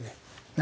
何？